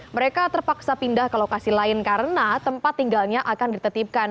mereka terpaksa pindah ke lokasi lain karena tempat tinggalnya akan ditetipkan